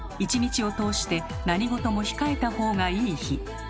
１日を通して何事も控えた方がいい日。